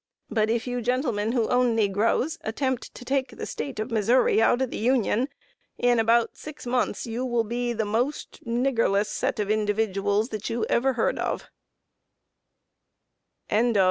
But if you gentlemen who own negroes attempt to take the State of Missouri out of the Union, in about six months you will be the most niggerless set of individuals that you ever heard of!"